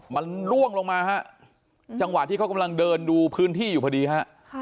มันล่วงลงมาฮะจังหวะที่เขากำลังเดินดูพื้นที่อยู่พอดีฮะ